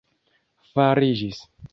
fariĝis